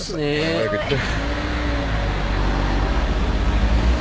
早く行って。